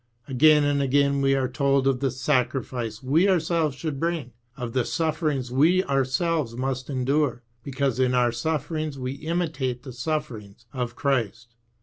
Again and again w^e are told of the sacrifice we ourselves should bring, of the sufferings we ourselves must endure, because in our sufferings we imitate the sufferings .of Christ.